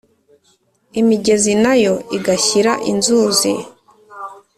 imigezi nayo igashyira inzuzi,